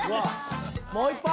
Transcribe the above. もう一本！